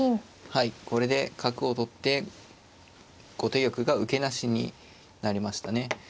はいこれで角を取って後手玉が受けなしになりましたね。